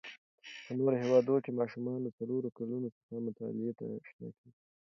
په نورو هیوادو کې ماشومان له څلورو کلونو څخه مطالعې ته آشنا کېږي.